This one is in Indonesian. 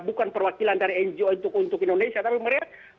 bukan perwakilan dari ngo untuk indonesia tapi mereka